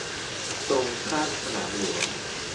ตรงข้ามสนามหลวง